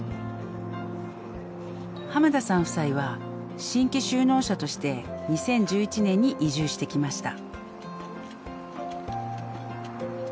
浜田さん夫妻は新規就農者として２０１１年に移住してきました。